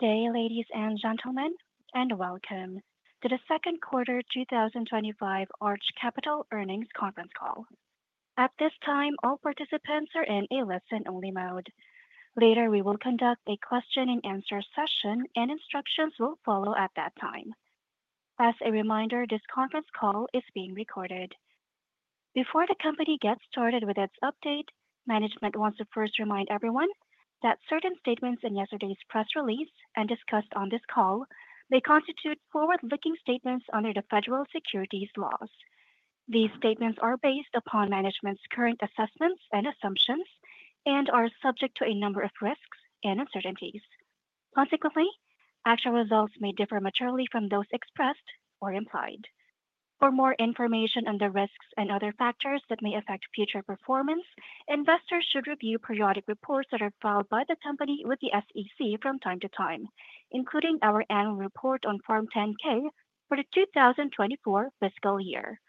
Good day ladies and gentlemen and welcome to the Second Quarter 2025 Arch Capital Earnings Conference Call. At this time all participants are in a listen only mode. Later we will conduct a question and answer session and instructions will follow at that time. As a reminder, this conference call is being recorded. Before the company gets started with its update, management wants to first remind everyone that certain statements in yesterday's press release and discussed on this call may constitute forward looking statements under the federal securities laws. These statements are based upon management's current assessments and assumptions and are subject to a number of risks and uncertainties. Consequently, actual results may differ materially from those expressed or implied. For more information on the risks and other factors that may affect future performance, investors should review periodic reports that are filed by the company with the SEC from time to time, including our annual report on Form 10-K for the 2024 fiscal year.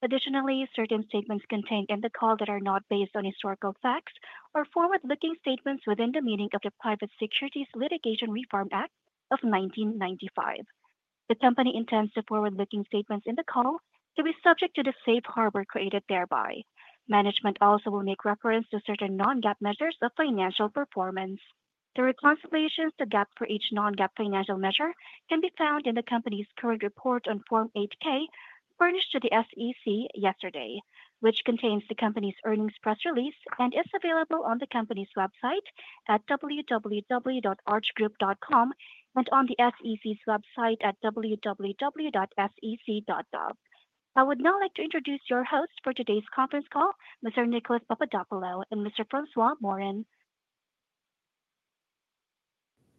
Additionally, certain statements contained in the call that are not based on historical facts are forward looking statements within the meaning of the Private Securities Litigation Reform Act of 1995. The company intends the forward looking statements in the call to be subject to the safe harbor created thereby. Management also will make reference to certain non-GAAP measures of financial performance. The reconciliations to GAAP for each non-GAAP financial measure can be found in the company's current report on Form 8-K furnished to the SEC yesterday, which contains the company's earnings press release and is available on the company's website at www.archgroup.com and on the SEC's website at www.sec.gov. I would now like to introduce your hosts for today's conference call, Mr. Nicolas Papadopoulo and Mr. Francois Morin.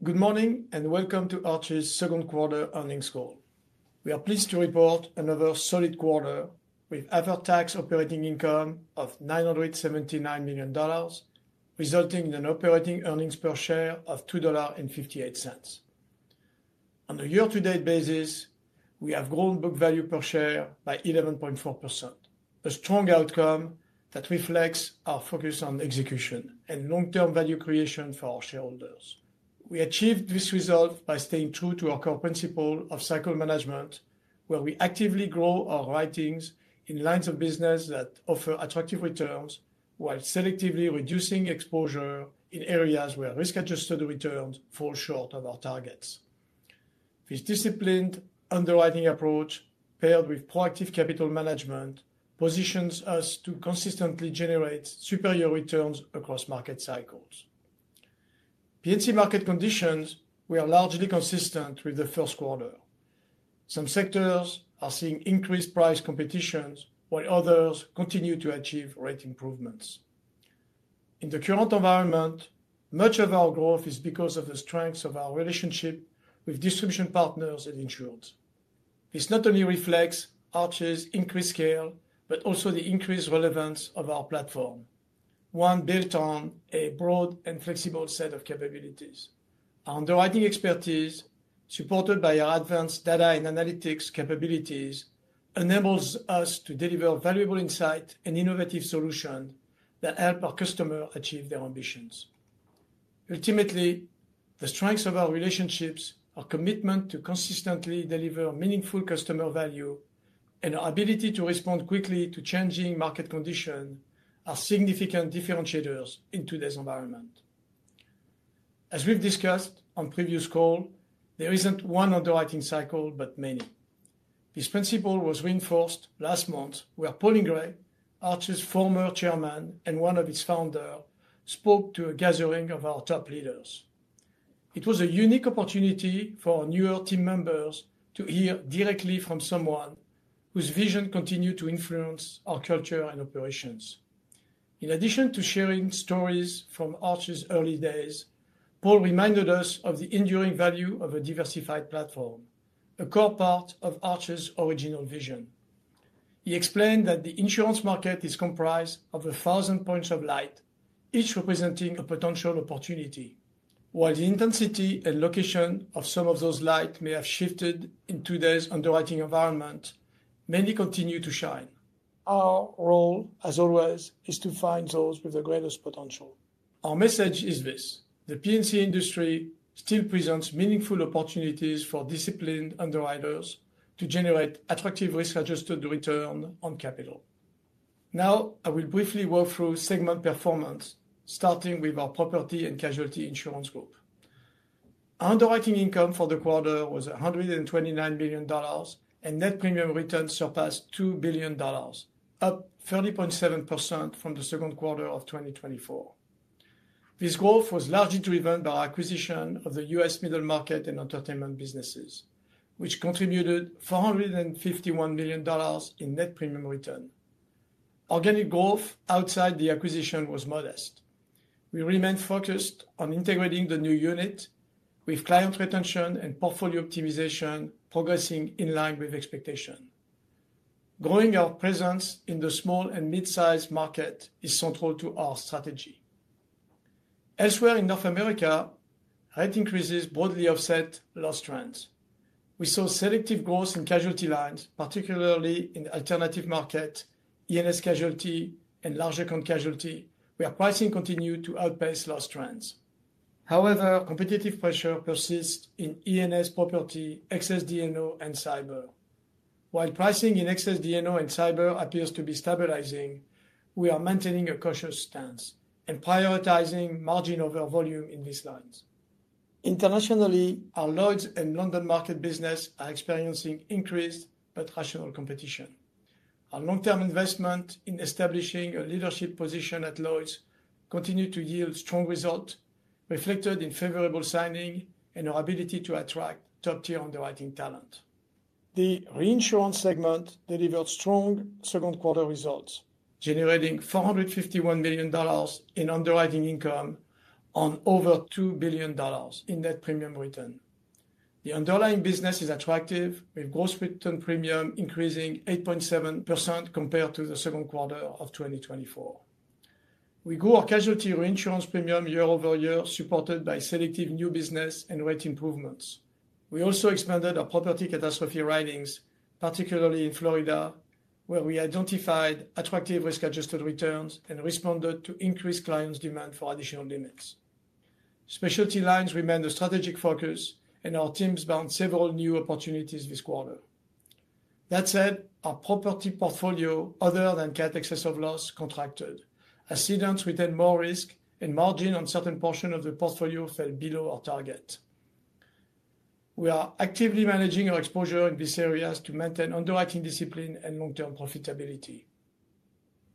Good morning and welcome to Arch's second quarter earnings call. We are pleased to report another solid quarter with after-tax operating income of $979 million resulting in an operating earnings per share of $2.58. On a year to date basis, we have grown book value per share by 11.4%, a strong outcome that reflects our focus on execution and long term value creation for our shareholders. We achieved this result by staying true to our core principle of cycle management where we actively grow our writings in lines of business that offer attractive returns while selectively reducing exposure in areas where risk adjusted returns fall short of our targets. This disciplined underwriting approach paired with proactive capital management positions us to consistently generate superior returns across market cycles. P&C market conditions were largely consistent with the first quarter. Some sectors are seeing increased price competition while others continue to achieve rate improvements in the current environment. Much of our growth is because of the strength of our relationship with distribution partners and insureds. This not only reflects Arch's increased scale, but also the increased relevance of our platform, one built on a broad and flexible set of capabilities. Underwriting expertise supported by our advanced data and analytics capabilities enables us to deliver valuable insight and innovative solutions that help our customers achieve their ambitions. Ultimately, the strengths of our relationships, our commitment to consistently deliver meaningful customer value, and our ability to respond quickly to changing market conditions are significant differentiators in today's environment. As we've discussed on previous calls, there isn't one underwriting cycle but many. This principle was reinforced last month when Paul Gray, Arch's former chairman and one of its founders, spoke to a gathering of our top leaders. It was a unique opportunity for our newer team members to hear directly from someone whose vision continues to influence our culture and operations. In addition to sharing stories from Arch's early days, Paul reminded us of the enduring value of a diversified platform, a core part of Arch's original vision. He explained that the insurance market is comprised of 1,000 points of light, each representing a potential opportunity. While the intensity and location of some of those lights may have shifted in today's underwriting environment, many continue to shine. Our role, as always, is to find those with the greatest potential. Our message is the PNC industry still presents meaningful opportunities for disciplined underwriters to generate attractive risk-adjusted return on capital. Now I will briefly walk through segment performance starting with our Property and Casualty Insurance Group. Underwriting income for the quarter was $129 million and net premium returns surpassed $2 billion, up 30.7% from the second quarter of 2024. This growth was largely driven by acquisition of the U.S. middle market and entertainment businesses which contributed $451 million in net premium return. Organic growth outside the acquisition was modest. We remained focused on integrating the new unit with client retention and portfolio optimization, progressing in line with expectation. Growing our presence in the small and mid-sized market is central to our strategy. Elsewhere in North America, rate increases broadly offset loss trends. We saw selective growth in casualty lines, particularly in alternative market, ENS casualty and large account casualty where pricing continued to outpace loss trends. However, competitive pressure persists in ENS, property excess, D&O and cyber. While pricing in excess D&O and cyber appears to be stabilizing, we are maintaining a cautious stance and prioritizing margin over volume in these lines. Internationally, our Lloyd’s and London market business are experiencing increased but rational competition. Our long-term investment in establishing a leadership position at Lloyd’s continued to yield strong results reflected in favorable signing and our ability to attract top-tier underwriting talent. The reinsurance segment delivered strong second quarter results generating $451 million in underwriting income on over $2 billion in net premium return. The underlying business is attractive with gross return premium increasing 8.7% compared to the second quarter of 2024. We grew our casualty reinsurance premium year-over-year supported by selective new business and rate improvements. We also expanded our property catastrophe ratings, particularly in Florida where we identified attractive risk-adjusted returns and responded to increased clients’ demand for additional limits. Specialty lines remained a strategic focus and our teams bound several new opportunities this quarter. That said, our property portfolio other than cat excess of loss contracted accidents retained more risk and margin on certain portion of the portfolio fell below our target. We are actively managing our exposure in these areas to maintain underwriting discipline and long term profitability.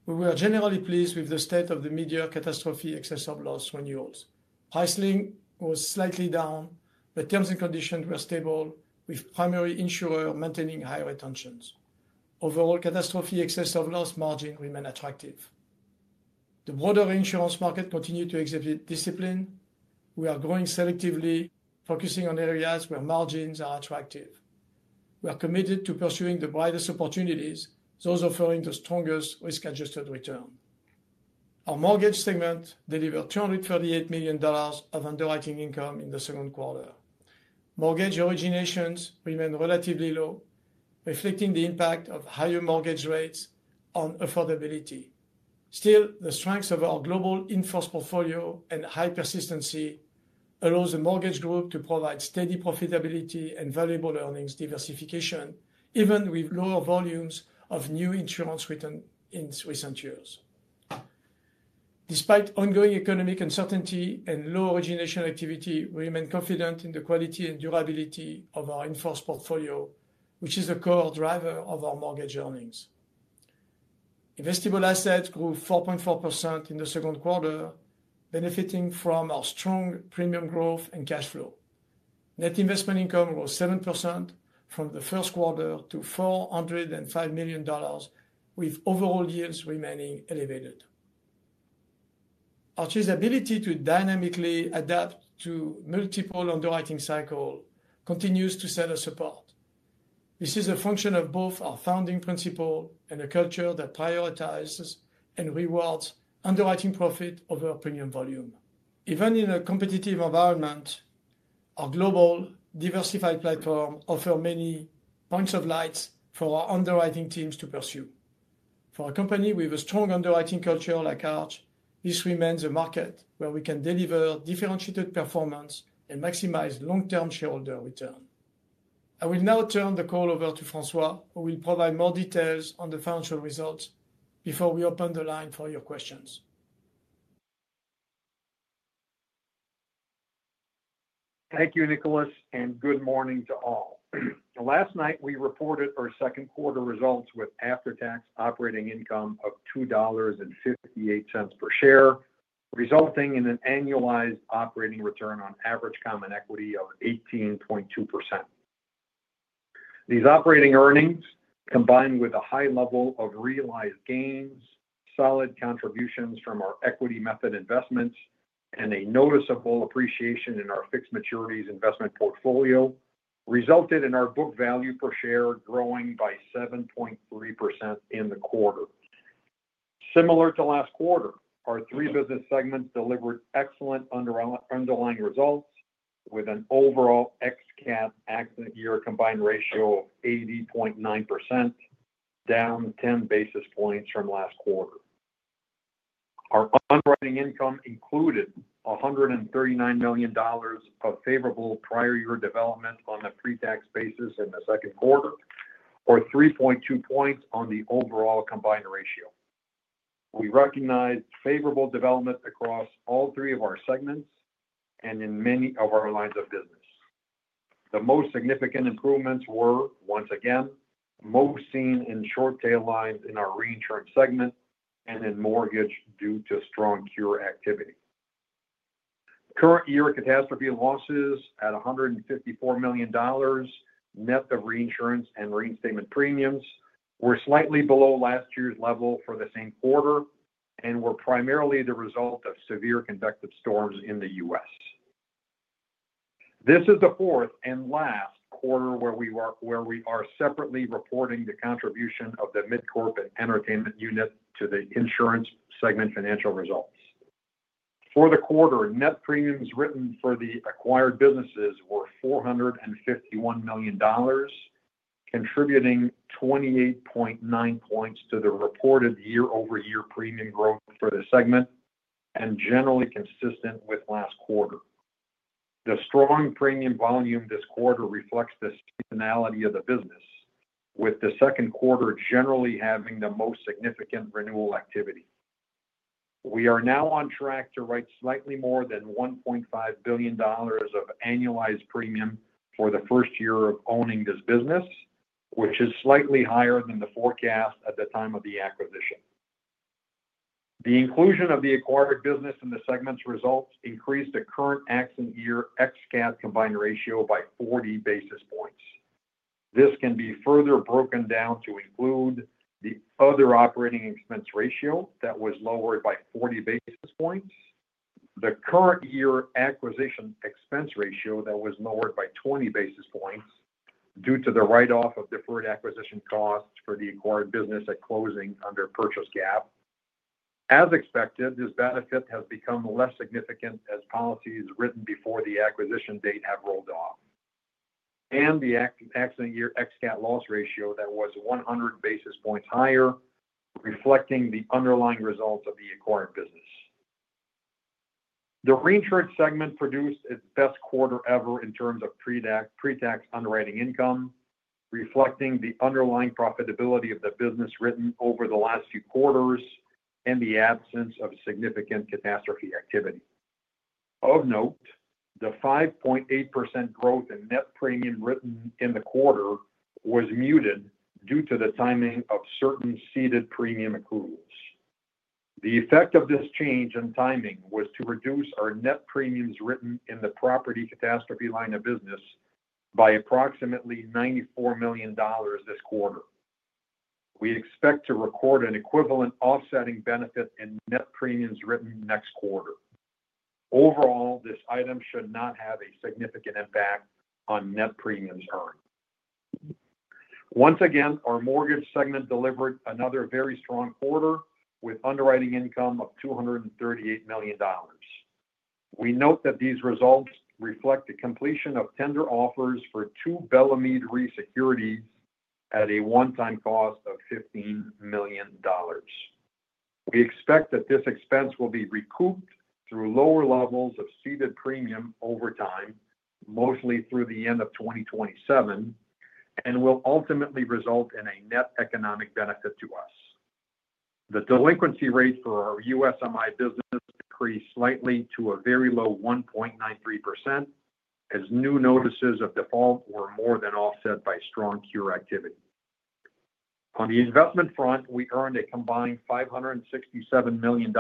We were generally pleased with the state of the mid year catastrophe excess of loss renewals. Pricing was slightly down but terms and conditions were stable with primary insurer maintaining high retentions. Overall catastrophe excess of loss margin remained attractive. The broader insurance market continued to exhibit discipline. We are growing selectively focusing on areas where margins are attractive. We are committed to pursuing the brightest opportunities, those offering the strongest risk adjusted return. Our mortgage segment delivered $238 million of underwriting income in the second quarter. Mortgage originations remained relatively low reflecting the impact of higher mortgage rates on affordability. Still, the strength of our global in force portfolio and high persistency allows the mortgage group to provide steady profitability and valuable earnings diversification even with lower volumes of new insurance written in recent years. Despite ongoing economic uncertainty and low origination activity, we remain confident in the quality and durability of our in force portfolio which is a core driver of our mortgage earnings. Investable assets grew 4.4% in the second quarter, benefiting from our strong premium growth and cash flow. Net investment income was up 7% from the first quarter to $405 million. With overall yields remaining elevated, Arch's ability to dynamically adapt to multiple underwriting cycles continues to set us apart. This is a function of both our founding principle and a culture that prioritizes and rewards underwriting profit over premium volume. Even in a competitive environment, our global diversified platform offers many points of light for our underwriting teams to pursue. For a company with a strong underwriting culture like Arch, this remains a market where we can deliver differentiated performance and maximize long term shareholder return. I will now turn the call over to François who will provide more details on the financial results before we open the line for your questions. Thank you, Nicholas, and good morning to all. Last night we reported our second quarter results with after-tax operating income of $2.58 per share, resulting in an annualized operating return on average common equity of 18.2%. These operating earnings, combined with a high level of realized gains, solid contributions from our equity method investments, and a noticeable appreciation in our fixed maturities investment portfolio, resulted in our book value per share growing by 7.3% in the quarter. Similar to last quarter, our three business segments delivered excellent underlying results with an overall ex cat accident year combined ratio of 80.9%, down 10 basis points from last quarter. Our underwriting income included $139 million of favorable prior year development on the pre-tax basis in the second quarter, or 3.2 points on the overall combined ratio. We recognized favorable development across all three of our segments and in many of our lines of business. The most significant improvements were once again most seen in short tail lines in our reinsurance segment and in mortgage due to strong cure activity. Current year catastrophe losses at $154 million net of reinsurance and reinstatement premiums were slightly below last year's level for the same quarter and were primarily the result of severe convective storms in the U.S. This is the fourth and last quarter where we are separately reporting the contribution of the Mid Corp and entertainment unit to the insurance segment financial results for the quarter: Net premiums written for the acquired businesses were $451 million, contributing 28.9 points to the reported year-over-year premium growth for the segment and generally consistent with last quarter. The strong premium volume this quarter reflects the seasonality of the business, with the second quarter generally having the most significant renewal activity. We are now on track to write slightly more than $1.5 billion of annualized premium for the first year of owning this business, which is slightly higher than the forecast at the time of the acquisition. The inclusion of the acquired business in the segment's results increased the current accident year ex-cat combined ratio by 40 basis points. This can be further broken down to include the other operating expense ratio that was lowered by 40 basis points, the current year acquisition expense ratio that was lowered by 20 basis points due to the write off of deferred acquisition costs for the acquired business at closing under purchase GAAP. As expected, this benefit has become less significant as policies written before the acquisition date have rolled off and the accident year ex-cat loss ratio that was 100 basis points higher reflecting the underlying results of the acquired business. The reinsurance segment produced its best quarter ever in terms of pre tax underwriting income reflecting the underlying profitability of the business written over the last few quarters and the absence of significant catastrophe activity. Of note, the 5.8% growth in net premium written in the quarter was muted due to the timing of certain ceded premium accruals. The effect of this change in timing was to reduce our net premiums written in the property catastrophe line of business by approximately $94 million this quarter. We expect to record an equivalent offsetting benefit in net premiums written next quarter. Overall, this item should not have a significant impact on net premiums earned. Once again, our mortgage segment delivered another very strong quarter with underwriting income of $238 million. We note that these results reflect the completion of tender offers for two Bellamy Re securities at a one time cost of $15 million. We expect that this expense will be recouped through lower levels of ceded premium over time, mostly through the end of 2027 and will ultimately result in a net economic benefit to us. The delinquency rate for our USMI business decreased slightly to a very low 1.93% as new notices of default were more than offset by strong cure activity. On the investment front, we earned a combined $567 million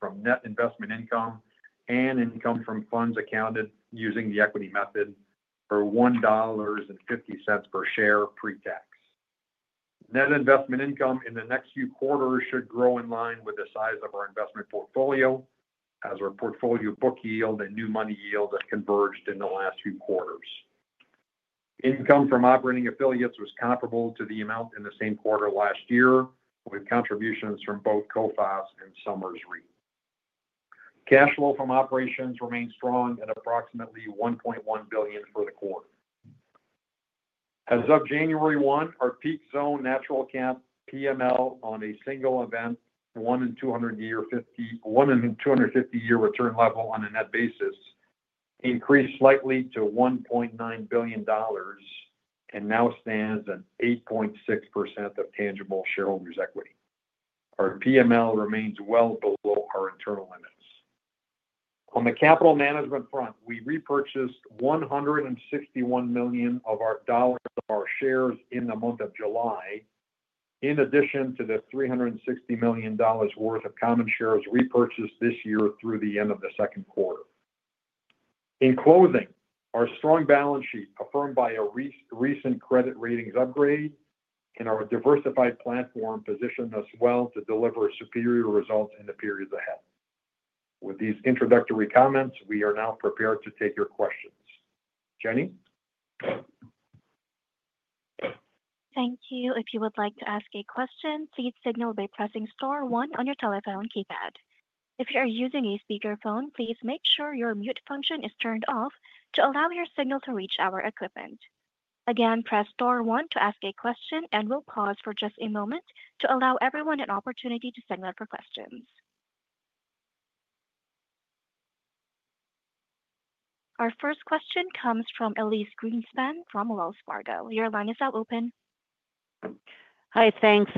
from net investment income and income from funds accounted using the equity method for $1.50 per share. Pre tax net investment income in the next few quarters should grow in line with the size of our investment portfolio. As our portfolio book yield and new money yield have converged in the last few quarters. Income from operating affiliates was comparable to the amount in the same quarter last year with contributions from both COFAs and Summer's REIT. Cash flow from operations remains strong at approximately $1.1 billion for the quarter as of January 1. Our peak zone natural catastrophe PML on a single event 1 in 200 year, 1 in 250 year return level on a net basis increased slightly to $1.9 billion and now stands at 8.6% of tangible shareholders equity. Our PML remains well below our internal limits. On the capital management front, we repurchased $161 million of our shares in the month of July in addition to the $360 million worth of common shares repurchased this year through the end of the second quarter. In closing, our strong balance sheet, affirmed by a recent credit ratings upgrade, and our diversified platform position us well to deliver superior results in the periods ahead. With these introductory comments, we are now prepared to take your questions. Jenny. Thank you. If you would like to ask a question, please signal by pressing Star one on your telephone keypad. If you are using a speakerphone, please make sure your mute function is turned off to allow your signal to reach our equipment. Again, press Star one to ask a question and we'll pause for just a moment to allow everyone an opportunity to sign up for questions. Our first question comes from Elyse Greenspan from Wells Fargo. Your line is now open. Hi. Thanks.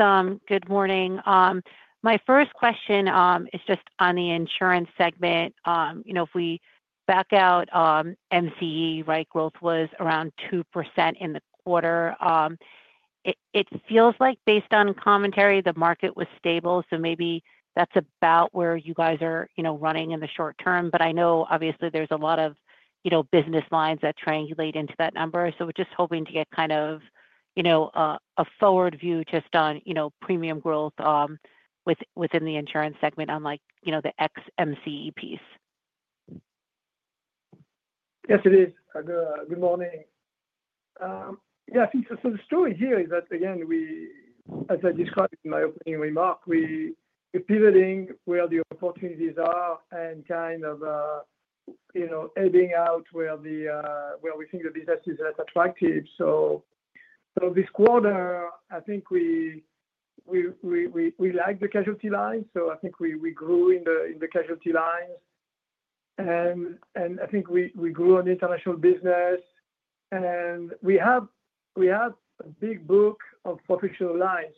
Good morning. My first question is just on the insurance segment. You know, if we back out, MC growth was around 2% in the quarter. It feels like, based on commentary, the market was stable. Maybe that's about where you guys are running in the short term. I know obviously there's a lot of business lines that triangulate into that number, so we're just hoping to get kind of a forward view just on premium growth within the insurance segment, unlike, you know, the XMCE piece. Yes, it is. Good morning. Yeah, I think so. The story here is that again we, as I described in my opening remark, we are pivoting where the opportunities are and kind of, you know, heading out where we think the business is less attractive. This quarter I think we like the casualty line, so I think we grew in the casualty lines and I think we grew in international business and we have a big book of professional lines.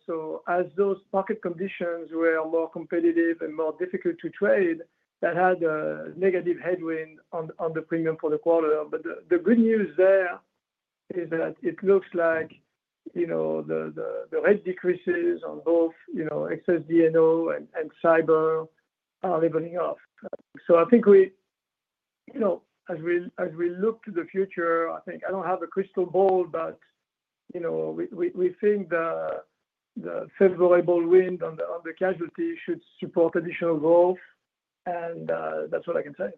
As those market conditions were more competitive and more difficult to trade, that had a negative headwind on the premium for the quarter. The good news there is that it looks like, you know, the rate decreases on both, you know, excess D&O and Cyber are leveling off. I think we, you know, as we look to the future, I think I do not have a crystal ball, but, you know, we think the favorable wind on the casualty should support additional growth. That is all I can say.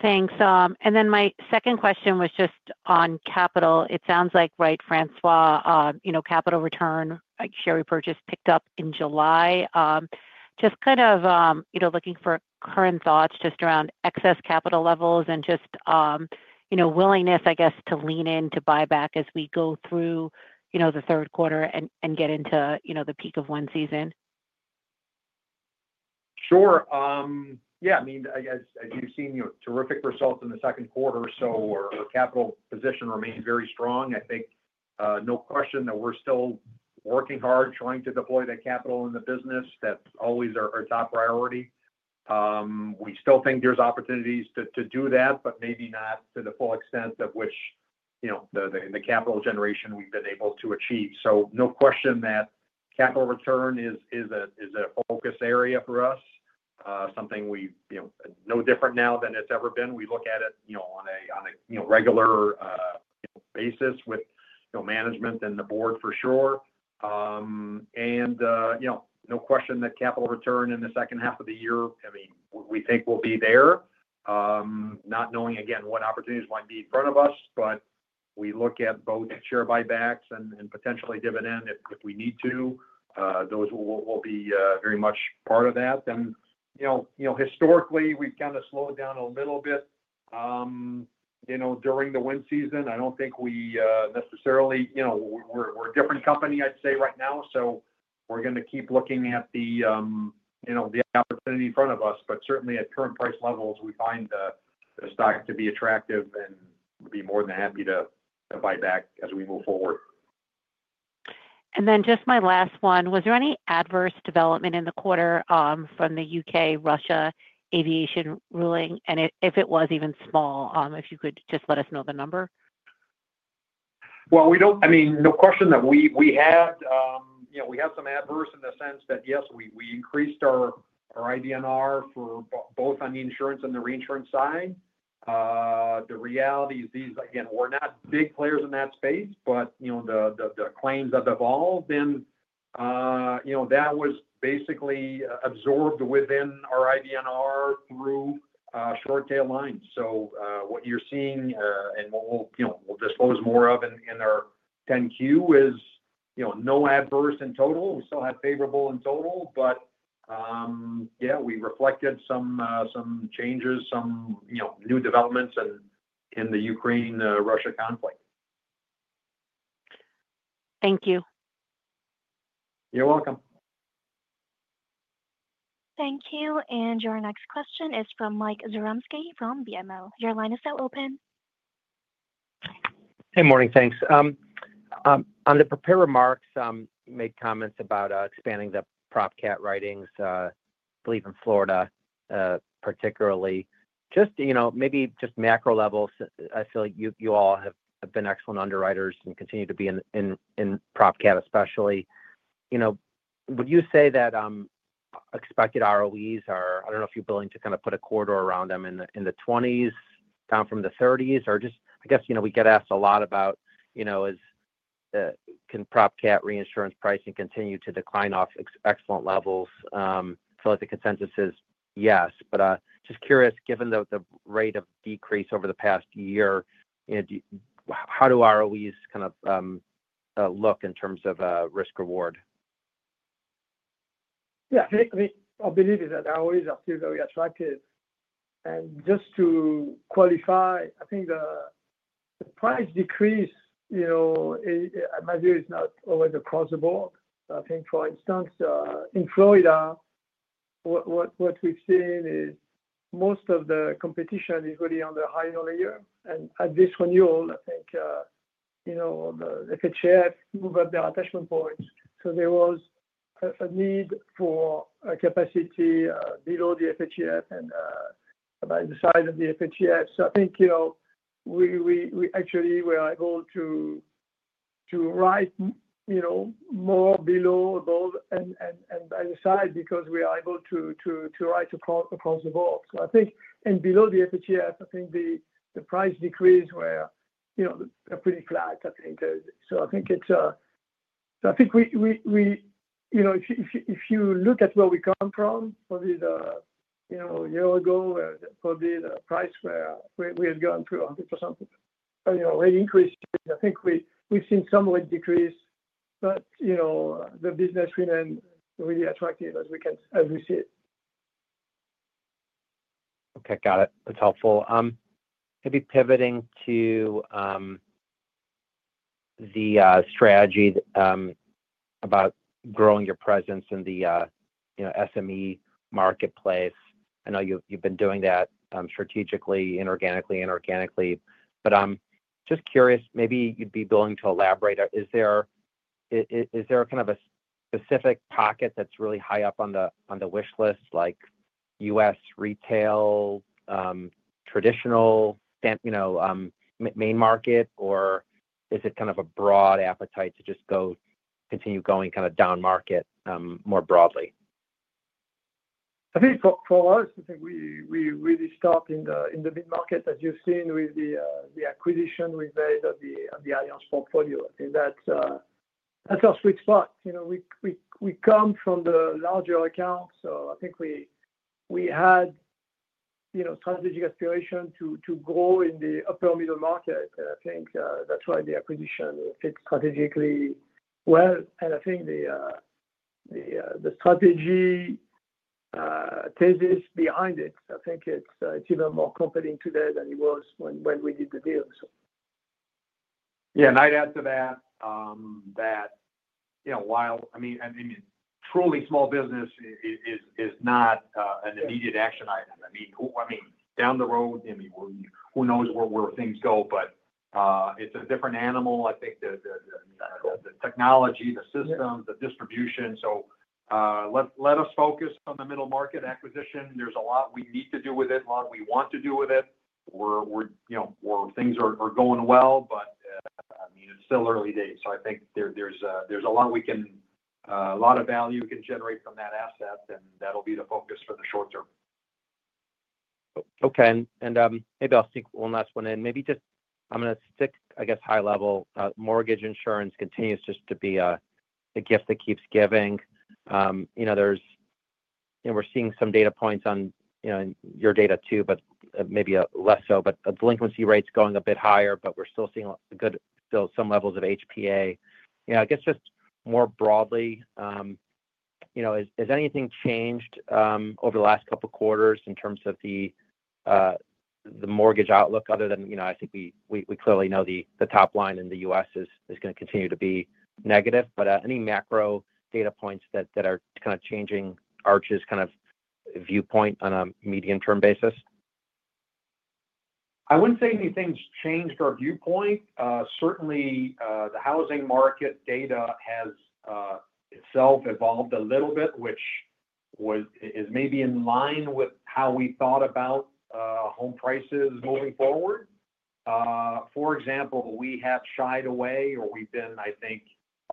Thanks. My second question was just on capital, it sounds like, right, François, capital return share repurchase picked up in July. Just kind of looking for current thoughts just around excess capital levels and just willingness, I guess, to lean in to buyback as we go through the third quarter and get into the peak of one season. Sure, yeah. I mean, as you've seen, terrific results in the second quarter. Our capital position remains very strong. I think, no question that we're still working hard trying to deploy that capital in the business. That's always our top priority. We still think there's opportunities to do that, but maybe not to the full extent of which, you know, the capital generation we've been able to achieve. No question that capital return is a focus area for us. Something we, you know, no different now than it's ever been. We look at it, you know, on a regular basis with management and the board for sure. You know, no question that capital return in the second half of the year, I mean, we think we'll be there not knowing again what opportunities might be in front of us. We look at both share buybacks and potentially dividend if we need to. Those will be very much part of that then, you know. Historically we've kind of slowed down a little bit, you know, during the wind season. I don't think we necessarily, you know, we're a different company, I'd say right now. We're going to keep looking at the opportunity in front of us. Certainly at current price levels we find stock to be attractive and be more than happy to buy back as we move forward. Just my last one, was there any adverse development in the quarter from the U.K. Russia aviation ruling? If it was even small, if you could just let us know the number. I mean, no question that we had, you know, we had some adverse in the sense that yes, we increased our IDNR for both on the insurance and the reinsurance side. The reality is these, again, we're not big players in that space but you know, the claims that evolved and you know, that was basically absorbed within our IDNR through short tail lines. So what you're seeing and what we'll disclose more of in our 10Q is, you know, no adverse in total. We still have favorable in total. Yeah, we reflected some changes, some new developments in the Ukraine, Russia conflict. Thank you. You're welcome. Thank you. Your next question is from Mike Zaremski from BMO. Your line is now open. Good morning. Thanks. On the prepared remarks made comments about expanding the propcat writings, believe in Florida particularly just, you know, maybe just macro level. I feel like you all have been excellent underwriters and continue to be in propcat. Especially, you know, would you say that expected ROEs are, I do not know if you're willing to kind of put a corridor around them in the 20s, down from the 30s or just, I guess, you know, we get asked a lot about, you know, is can PropCap reinsurance pricing continue to decline off excellent levels? The consensus is yes. Just curious, given the rate of decrease over the past year. How do ROEs kind of look in terms of risk reward? Yeah, our belief is that ROEs are still very attractive. Just to qualify, I think the price decrease, my view is not always across the board. For instance, in Florida, what we've seen is most of the competition is really on the high layer and at this renewal, I think the FHCF moved up their attachment points. There was a need for capacity below the FHCF and about the size of the FHCF. I think, you know, we actually were able to write more below and by the side because we are able to write across the board. Below the FHCF, I think the price decrease was, you know, pretty flat. I think if you look at where we come from, probably a year ago, probably the price where we had gone to 100% rate increases, I think we've seen some rate decrease, but the business remains really attractive as we see it. Okay, got it. That's helpful. Maybe pivoting to the strategy about growing your presence in the SME marketplace. I know you've been doing that strategically, inorganically. But just curious, maybe you'd be willing to elaborate. Is there kind of a specific pocket that's really high up on the wish list like U.S. retail, traditional main market, or is it kind of a broad appetite to just go, continue going kind of down market more broadly? I think for us, I think we really start in the mid market. As you've seen with the acquisition we've made of the alliance portfolio, I think that's our sweet spot. We come from the larger account, so I think we had strategic aspiration to grow in the upper middle market. I think that's why the acquisition fits strategically well. I think the strategy thesis behind it, I think it's even more compelling today than it was when we did the deal. Yeah. I'd add to that that, you know, while, I mean, truly small business is not an immediate action item, I mean, down the road, who knows where things go. It's a different animal, I think, the technology, the system, the distribution. Let us focus on the middle market acquisition. There's a lot we need to do with it, a lot we want to do with it. We're, you know, things are going well, but it's still early days, so I think there's a lot we can, a lot of value we can generate from that asset and that'll be the focus for the short term. Okay. Maybe I'll sneak one last one in. Maybe just, I'm going to stick, I guess high level, mortgage insurance continues just to be the gift that keeps giving. You know, we're seeing some data points on your data too, but maybe less so, but delinquency rates going a bit higher, but we're still seeing good, still some levels of HPA. You know, I guess just more broadly, has anything changed over the last couple quarters in terms of the mortgage outlook other than, you know, I think we clearly know the top line in the U.S. is going to continue to be negative, but any macro data points that are kind of changing Arch's kind of viewpoint on a medium term. Basis. I wouldn't say anything's changed our viewpoint. Certainly the housing market data has itself evolved a little bit, which was, is maybe in line with how we thought about home prices moving forward. For example, we have shied away or we've been, I think,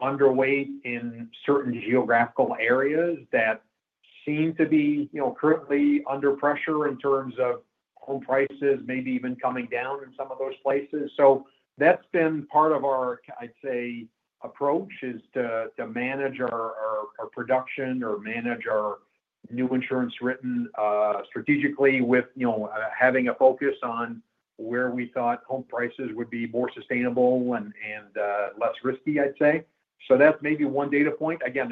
underweight in certain geographical areas that seem to be, you know, currently under pressure in terms of home prices maybe even coming down in. Some of those places. That's been part of our, I'd say, approach is to manage our production or manage our new insurance written strategically with, you know, having a focus on where we thought home prices would be more sustainable and less risky, I'd say. That's maybe one data point again.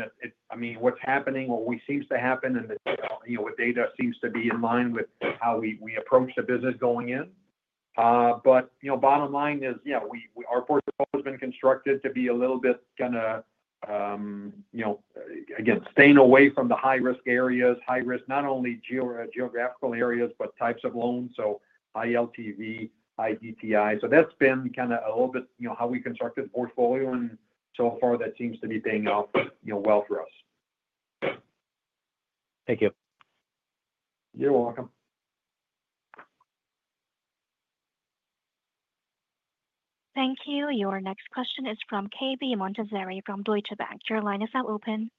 I mean, what's happening, what seems to happen and, you know, what data seems to be in line with how we approach the business going in. You know, bottom line is yeah, we, our portfolio has been constructed to be a little bit kind of, you know, again staying away from the high risk areas. High risk, not only geographical areas but types of loans. So ILTV, high DTI. That's been kind of a little bit, you know, how we constructed the portfolio and so far that seems to be paying off, you know, well for us. Thank you. You're welcome. Thank you. Your next question is from Cave Montazeri from Deutsche Bank. Your line is now open.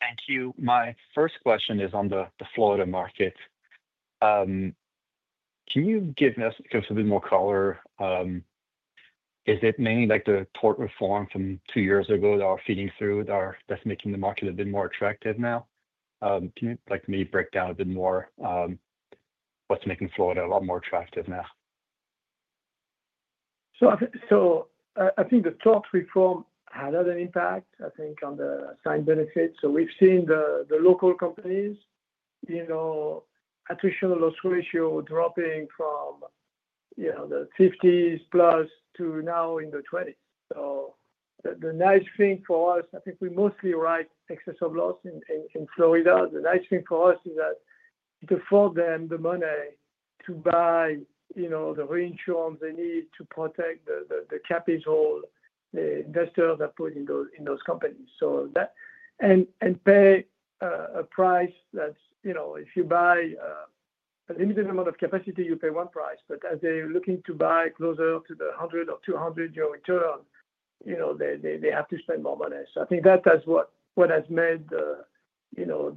Thank you. My first question is on the Florida market. Can you give us a bit more color? Is it mainly like the port reform from two years ago that are feeding through that's making the market a bit more attractive now? Can you, like, break down a bit more what's making Florida a lot more attractive now? I think the tort reform has had an impact, I think on the side benefits. We've seen the local companies, you know, attrition loss ratio dropping from, you know, the 50s plus to now in the 20s. The nice thing for us, I think we mostly write excess of loss in Florida. The nice thing for us is that it afford them the money to buy the reinsurance they need to protect the capital. Investors are put in those companies and pay a price that if you buy a limited amount of capacity, you pay one price. As they are looking to buy closer to the 100 or 200 year return, you know, they have to spend more money. I think that is what has made, you know,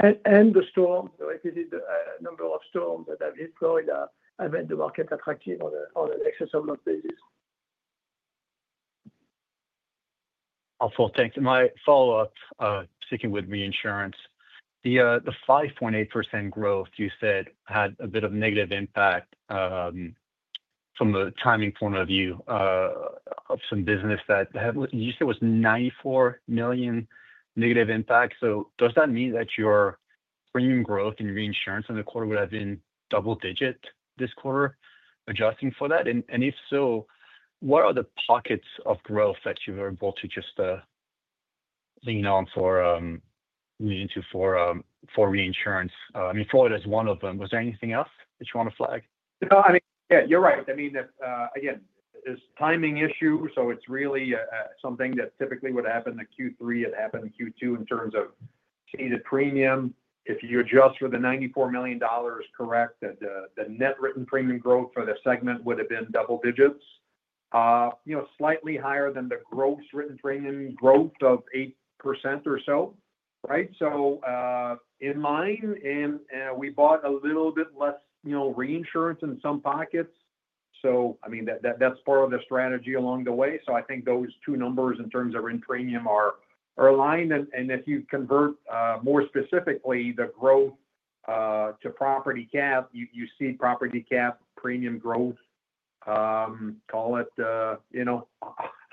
end the storm. The number of storms that have hit Florida have made the market attractive on an excess amount basis. Thanks. My follow up, sticking with reinsurance, the 5.8% growth you said had a bit of negative impact from the timing point of view of some business that you said was $94 million negative impacts. So does that mean that your premium growth in reinsurance in the quarter would have been double digit this quarter, adjusting for that, and if so, what are the pockets of growth that you were able to just lean on for, lean into for, for reinsurance? I mean, Florida is one of them. Was there anything else that you want to flag? Yeah, you're right. I mean again, this timing issue. So it's really something that typically would happen in Q3. It happened in Q2. In terms of stated premium, if you adjust for the $94 million. Correct. The net written premium growth for the segment would have been double digits, you know, slightly higher than the gross written premium growth of 8% or so. Right. So in mine and we bought a little bit less, you know, reinsurance in some pockets. So I mean that's part of the strategy along the way. So I think those two numbers in terms of in premium are aligned. And if you convert more specifically the growth to property cap, you see property cap premium growth, call it, you know,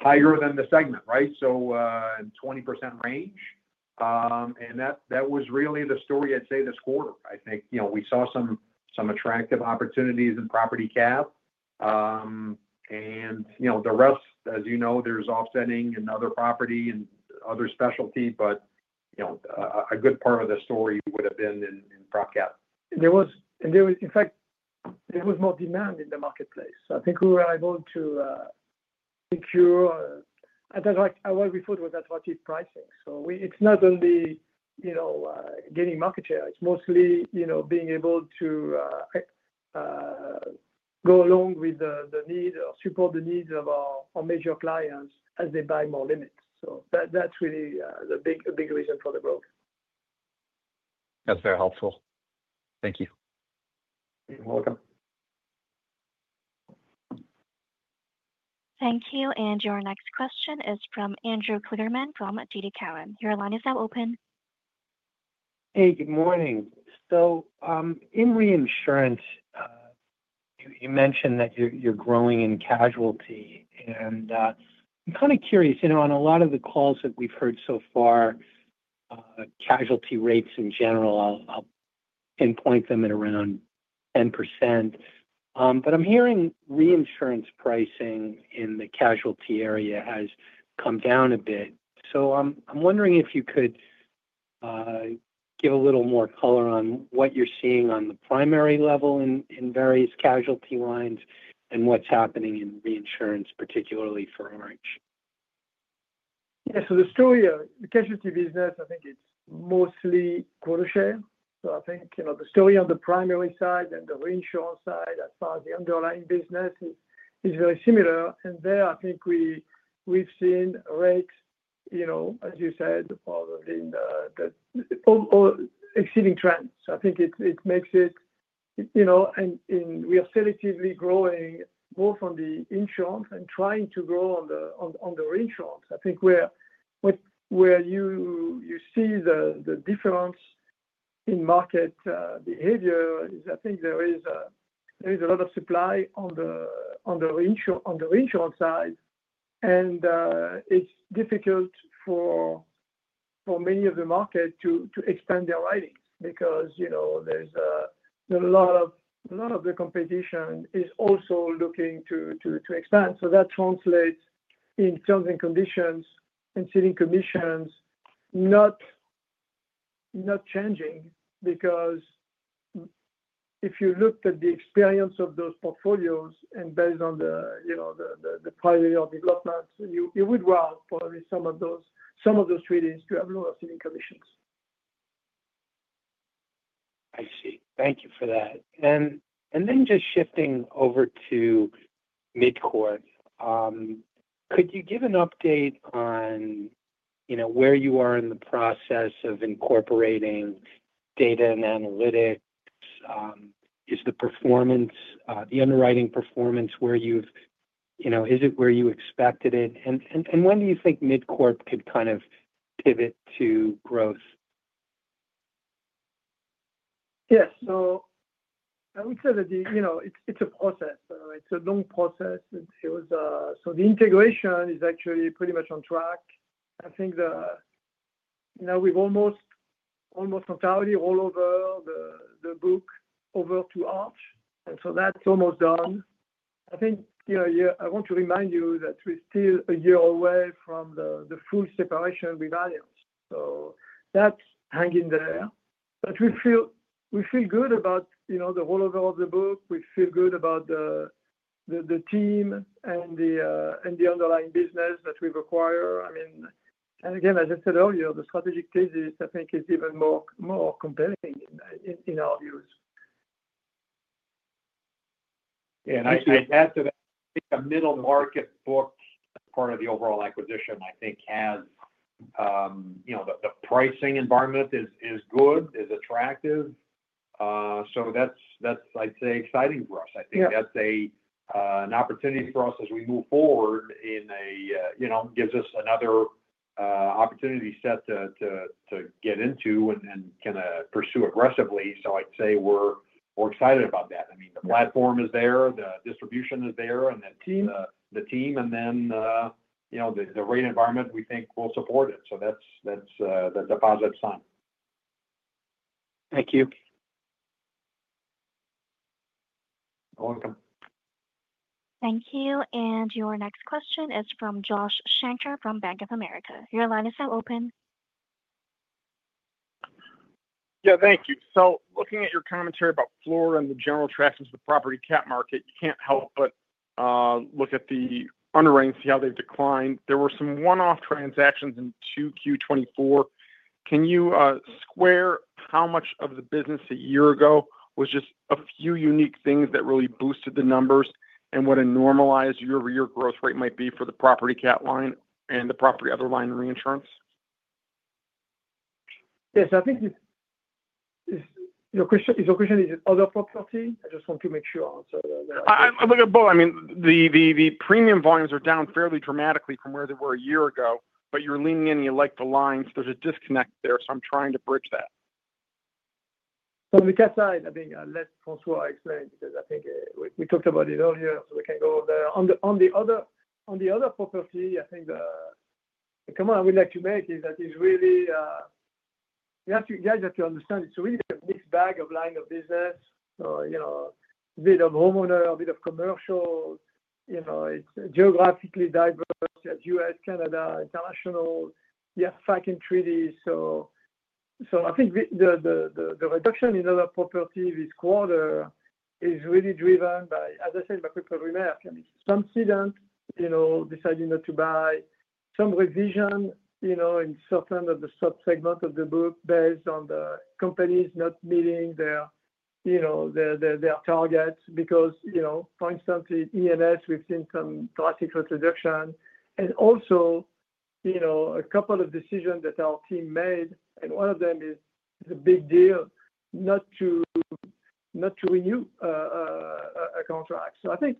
higher than the segment. Right. So 20% range and that, that was really the story, I'd say this quarter I think, you know, we saw some, some attractive opportunities in property cap and you know, the rest. As you know, there's offsetting and other property and other specialty. But you know, a good part of the story would have been in PropCap. There was, in fact, more demand in the marketplace. I think we were able to secure what we thought was attractive pricing. It's not only, you know, getting market share, it's mostly, you know, being able to go along with the need or support the needs of our major clients as they buy more limits. That's really the big reason for the growth. That's very helpful. Thank you. Welcome. Thank you. Your next question is from Andrew Kligerman from TD Cowen. Your line is now open. Hey, good morning. In reinsurance, you mentioned that you're growing in casualty. And I'm kind of curious, you know. On a lot of the calls that. We've heard so far, casualty rates in general, I'll pinpoint them at around 10%. But I'm hearing reinsurance pricing in the casualty area has come down a bit. So I'm wondering if you could give a little more color on what you're seeing on the primary level in various casualty lines and what's happening in reinsurance, particularly for Arch. Yeah. The story of the casualty business, I think it's mostly quarter share. I think, you know, the story on the primary side and the reinsurance side, as far as the underlying business, is very similar. There, I think we've seen rates, you know, as you said, exceeding trends. I think it makes it, you know, and we are selectively growing both on the insurance and trying to grow on the insurance. I think where you see the difference in market behavior is I think there is a lot of supply on the reinsurance side and it's difficult for many of the market to expand their writings because a lot of the competition is also looking to expand. That translates in terms of conditions and ceiling commissions not changing. Because if you looked at the experience of those portfolios and based on the prior year development, you would route for some of those treaties to have lower ceiling commissions. I see. Thank you for that. Just shifting over to Mid Corp, could you give an update on, you know, where you are in the process of incorporating data and analytics? Is the performance, the underwriting performance, where you've, you know, is it where you expected it and when do you think Mid Corp could kind of pivot to growth? Yes. I would say that it's a process. It's a long process. The integration is actually pretty much on track. I think we've almost entirely rolled over the book over to Arch, and that's almost done. I think I want to remind you that we're still a year away from the full separation with alliance, so that's hanging there. We feel good about the rollover of the book. We feel good about the team and the underlying business that we've acquired. Again, as I said earlier, the strategic thesis I think is even more compelling in our views. I add to that a middle market book. Part of the overall acquisition I think has, you know, the pricing environment is good, is attractive. That is, I would say, exciting for us. I think that is an opportunity for us as we move forward in a, you know, gives us another opportunity set to get into and kind of pursue aggressively. I would say we are excited about that. I mean the platform is there, the distribution is there and that team, the team and then, you know, the rate environment we think will support it. That is the deposit sign. Thank you. You're welcome. Thank you. Your next question is from Josh Shanker from Bank of America. Your line is now open. Yeah, thank you. Looking at your commentary about Florida and the general attractions of the property cat market, you can't help but look at the underwriting, see how they've declined. There were some one-off transactions in 2Q 2024. Can you square how much of the business a year ago was just a few unique things that really boosted the numbers and what a normalized year-over-year growth rate might be for the property cat line and the property other line reinsurance? Yes, I think your question is other property. I just want to make sure. Look at both. I mean the premium volumes are down fairly dramatically from where they were a year ago. You are leaning in, you like the lines. There is a disconnect there. I am trying to bridge that from the cat side. I think I'll let François explain because I think we talked about it earlier, so we can go there on the other property. I think the comment I would like to make is that it's really, you guys have to understand, it's really a mixed bag of line of business. So, you know, a bit of homeowner, a bit of commercial, you know, it's geographically diverse. You have U.S., Canada, International, you have facultative treaties. So I think the reduction in other properties this quarter is really driven by, as I said, some students, you know, decided not to buy, some revision, you know, in certain of the subsegment of the book based on the companies not meeting their, you know, their targets because, you know, for instance, E&S, we've seen some drastic reduction and also, you know, a couple of decisions that our team made and one of them is a big deal not to, not to renew a contract. So I think,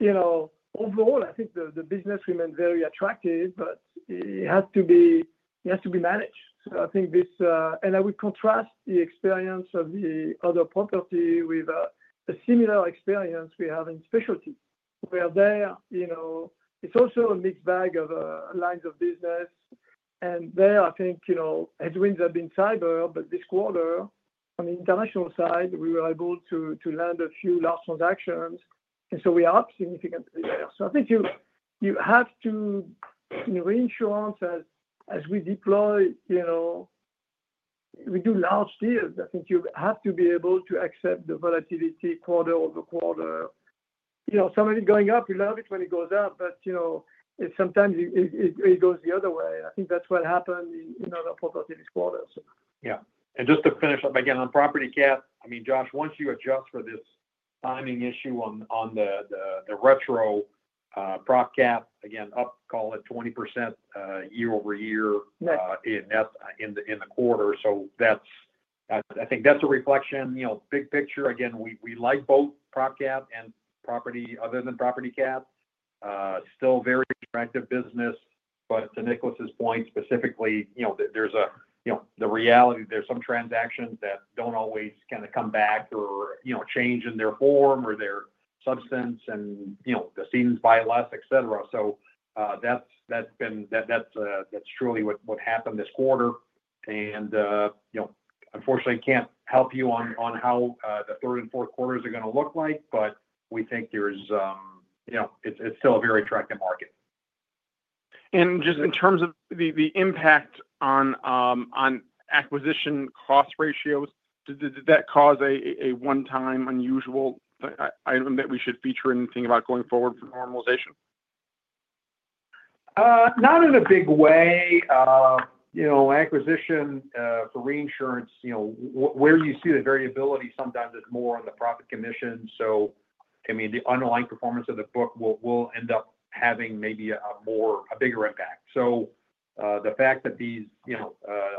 you know, overall I think the business remains very attractive, but it has to be, has to be managed. I think this, and I would contrast the experience of the other property with a similar experience we have in specialty where there, you know, it's also a mixed bag of lines of business and there I think, you know, headwinds have been cyber, but this quarter on the international side we were able to land a few large transactions and so we are up significantly there. I think you, you have to, reinsurance as we deploy, we do large deals. I think you have to be able to accept the volatility quarter over quarter, some of it going up. You love it when it goes up, but sometimes it goes the other way. I think that's what happened in other properties quarters. Yeah. And just to finish up again on property cap, I mean Josh, once you adjust for this timing issue on the retro prop cap again, call it 20% year over year in that, in the quarter. That's, I think that's a reflection. You know, big picture again, we like both prop cap and property other than property cap, still very attractive business. To Nicolas's point specifically, you know, there's a, you know, the reality there's some transactions that always kind of come back or, you know, change in their form or their substance and, you know, the seasons by less et cetera. That's, that's been, that's truly what happened this quarter. You know, unfortunately can't help you on how the third and fourth quarters are going to look like, but we think there's, you know, it's still a very attractive market. Just in terms of the impact on acquisition cost ratios, did that cause a one time unusual item that we should feature and think about going forward for normalization? Not in a big way, you know. Acquisition for reinsurance, you know where you see the variability sometimes is more on the profit commission. I mean the underlying performance of the book will end up having maybe a more, a bigger impact. The fact that these, you know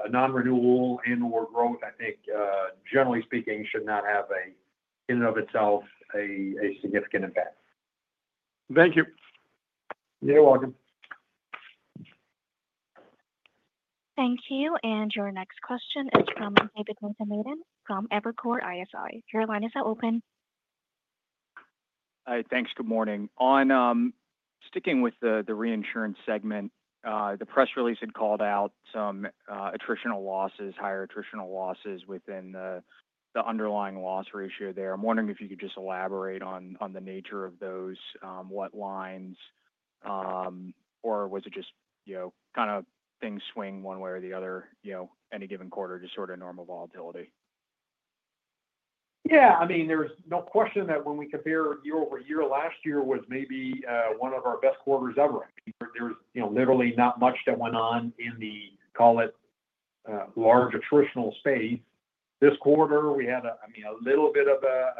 a non-renewal and or growth, I think generally speaking should not have, in and of itself, a significant impact. Thank you. You're welcome. Thank you. Your next question is from David Motemaden from Evercore ISI. Your line is open. Thanks. Good morning. On sticking with the reinsurance segment, the press release had called out some attritional losses, higher attritional losses within the underlying loss ratio there. I'm wondering if you could just elaborate on the nature of those. What lines or was it just, you know, kind of things swing one way or the other, you know, any given quarter, just sort of normal volatility. Yeah, I mean there's no question that when we compare year-over-year, last year was maybe one of our best quarters ever. There's, you know, literally not much that went on in the, call it, large attritional space. This quarter we had, I mean, a little bit of a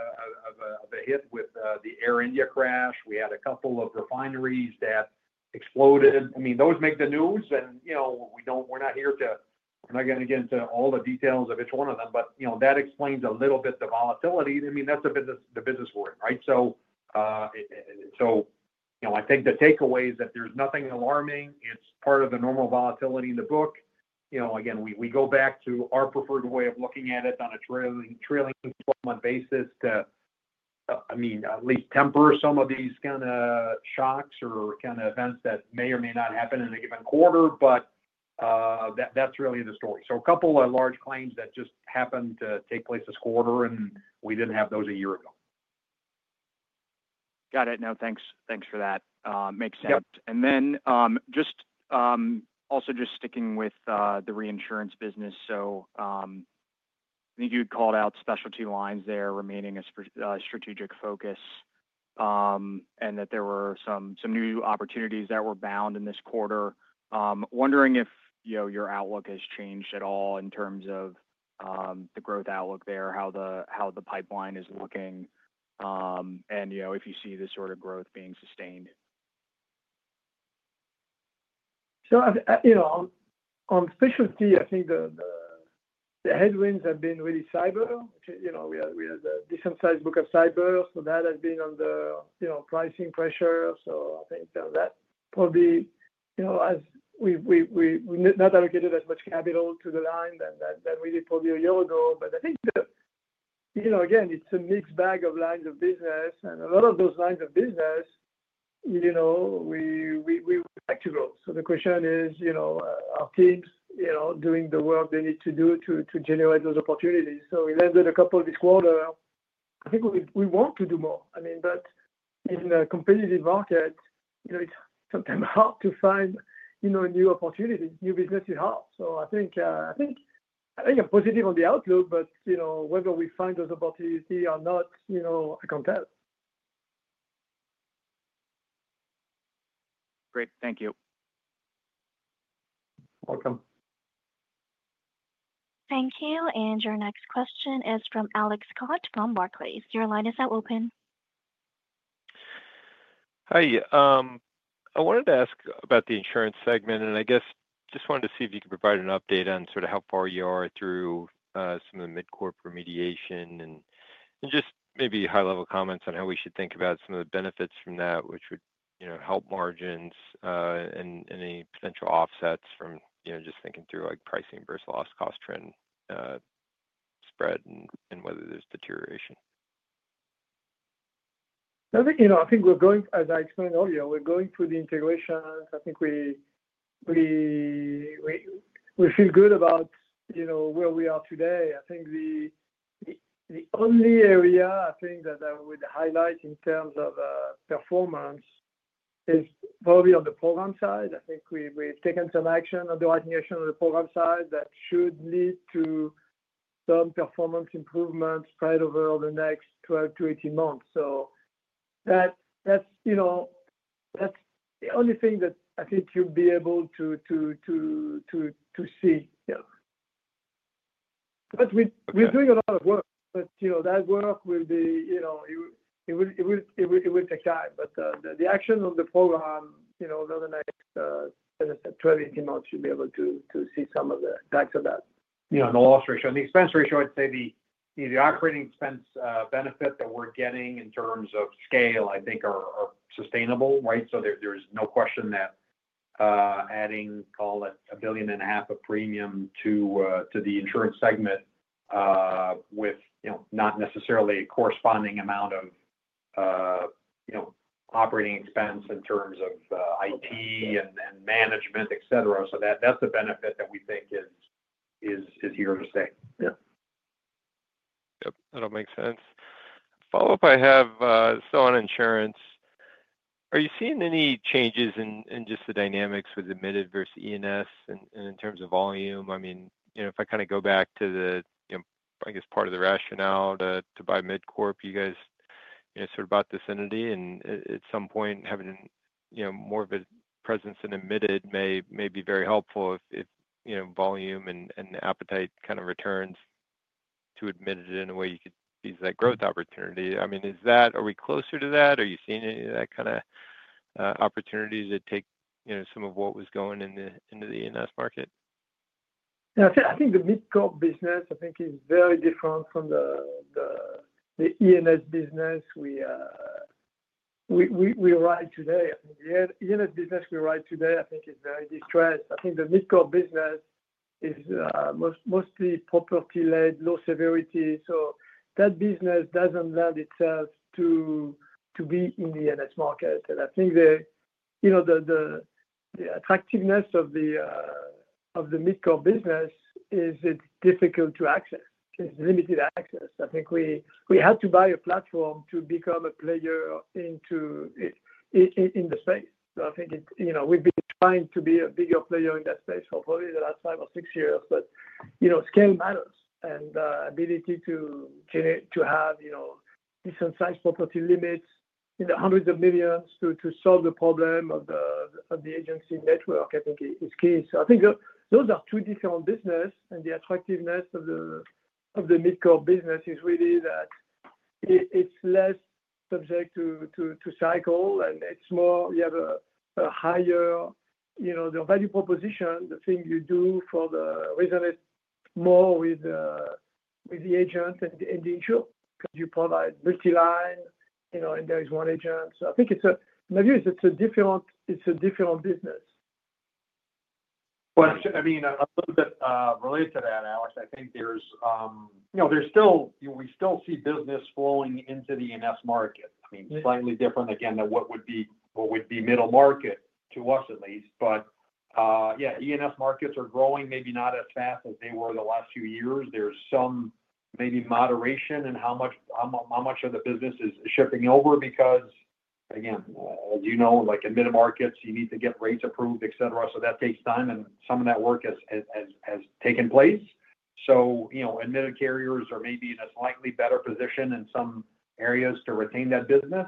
hit with the Air India crash. We had a couple of refineries that exploded. I mean those make the news and, you know, we don't, we're not here to, and I gotta get into all the details of each one of them but, you know, that explains a little bit the volatility. I mean that's a business, the business word. Right. I think the takeaway is that there's nothing alarming, it's part of the normal volatility in the book. You know, again we go back to our preferred way of looking at it on a trailing, trailing twelve month basis to, I mean, at least temper some of these kind of shocks or kind of events that may or may not happen in a given quarter. That's really the story. A couple of large claims that just happened to take place this quarter and we didn't have those a year ago. Got it. No thanks. Thanks for that. Makes sense. Also, just sticking with the reinsurance business. I think you called out specialty lines there, remaining a strategic focus and that there were some new opportunities that were bound in this quarter. Wondering if your outlook has changed at all in terms of the growth outlook there, how the pipeline is looking and if you see this sort of growth being sustained. On specialty I think the headwinds have been really cyber. We had a decent sized book of cyber so that has been on the, you know, pricing pressure. I think that probably, you know, as we not allocated as much capital to the line than we did probably a year ago. I think, you know, again it's a mixed bag of lines of business and a lot of those lines of business, you know, we would like to grow. The question is, you know, are our teams, you know, doing the work they need to do to generate those opportunities. We landed a couple this quarter. I think we want to do more, I mean, but in a competitive market it's sometimes hard to find new opportunities, new business at heart. I think I'm positive on the outlook. Whether we find those opportunities or not, I can't tell. Great, thank you. Welcome. Thank you. Your next question is from Alex Scott from Barclays. Your line is now open. Hi, I wanted to ask about the insurance segment and I guess just wanted to see if you could provide an update on sort of how far you are through some of the Mid Corp remediation and just maybe high level comments on how we should think about some of the benefits from that which would help margins and the potential offsets from, you know, just thinking through like pricing versus loss, cost, trend, spread and whether there's deterioration. You know, I think we're going, as I explained earlier, we're going through the integration. I think we feel good about, you know, where we are today. I think the only area I think that I would highlight in terms of performance is probably on the program side. I think we've taken some action on the writing action on the program side that should lead to some performance improvements right over the next 12-18 months. That, that's, you know, that's the only thing that I think you'll be able to see. But we're doing a lot of work. You know that work will be, you know, it will take time but the action on the program, you know, the next 12-18 months you'll be able to see some of the backs. Of that, you know, the loss ratio and the expense ratio, I'd say the operating expense benefit that we're getting in terms of scale I think are sustainable. Right. There's no question that adding, call it $1.5 billion of premium to the insurance segment with not necessarily a corresponding amount of operating expense in terms of IT and management, et cetera. That's the benefit that we think is here to stay. Yeah, that all makes sense. Follow up, I have, so on insurance, are you seeing any changes in just the dynamics with admitted versus E&S and in terms of volume? I mean, if I kind of go back to the, I guess part of the rationale to buy Mid Corp, you guys sort of bought this entity and at some point having more of a presence than admitted may be very helpful. If volume and appetite kind of returns to admitted in a way you could use that growth opportunity. I mean, are we closer to that? Are you seeing any of that kind of opportunity to take some of what was going into the E&S market? I think the Mid Corp business I think is very different from the E&S business we write today. E&S business we write today I think is very distressed. I think the Mid Corp business is mostly property led, low severity. That business does not lend itself to be in the E&S market. I think the attractiveness of the Mid Corp business is difficult to access, it is limited access. I think we had to buy a platform to become a player in the space. I think we have been trying to be a bigger player in that space for probably the last five or six years. Scale matters and ability to have decent size property limits in the hundreds of millions to solve the problem of the agency network I think is key. Those are two different businesses. The attractiveness of the Mid Corp business is really that it is less subject to cycle and it is more, you have a higher value proposition. The thing you do for the reason is more with the agent and the individual because you provide multi line, you know, and there is one agent. My view is it is a different, it is a different business. I mean a little bit related to that, Alex. I think there's, you know, there's still, we still see business flowing into the E&S market. I mean, slightly different again than what would be, what would be middle market to us at least. But yeah, E&S markets are growing, maybe not as fast as they were the last few years. There's some maybe moderation in how much of the business is shifting over because again, as you know, like admitted markets, you need to get rates approved, et cetera. That takes time and some of that work has taken place. You know, admitted carriers are maybe in a slightly better position in some areas to retain that business.